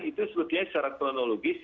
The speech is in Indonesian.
itu sebetulnya secara kronologis